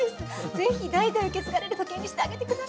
是非代々受け継がれる時計にしてあげて下さい！